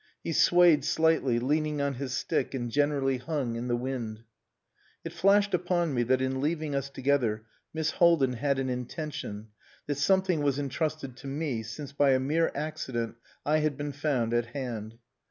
He swayed slightly, leaning on his stick and generally hung in the wind. It flashed upon me that in leaving us together Miss Haldin had an intention that something was entrusted to me, since, by a mere accident I had been found at hand.